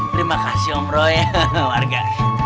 terima kasih om roy warga